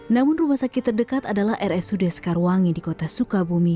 namun rumah sakit terdekat adalah rsud sekarwangi di kota sukabumi